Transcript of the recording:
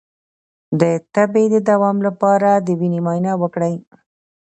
د تبې د دوام لپاره د وینې معاینه وکړئ